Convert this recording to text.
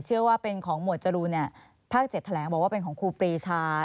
เชื่อว่าเป็นของหมวดจรูนภาค๗แถลงบอกว่าเป็นของครูปรีชา